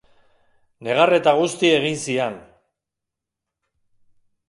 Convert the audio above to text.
Negar eta guzti egin zian.